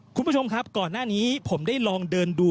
คุณผู้ชมครับก่อนหน้านี้ผมได้ลองเดินดู